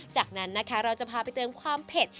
จากนั้นนะคะเราจะพาไปเติมความเผ็ด